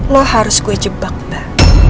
lo harus gue jebak mbak